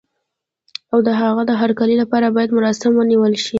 او د هغه د هرکلي لپاره باید مراسم ونه نیول شي.